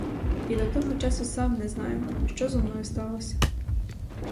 І від того часу сам не знаю, що зо мною сталося.